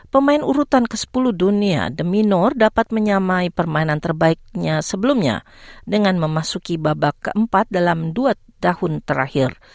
pemain urutan ke sepuluh dunia the minor dapat menyamai permainan terbaiknya sebelumnya dengan memasuki babak keempat dalam dua tahun terakhir